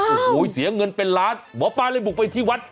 โอ้โหเสียเงินเป็นล้านหมอปลาเลยบุกไปที่วัด